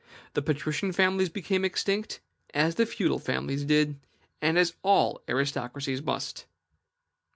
The patrician families became extinct, as the feudal families did, and as all aristocracies must.